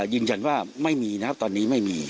ยืนยันว่าไม่มีนะครับตอนนี้ไม่มี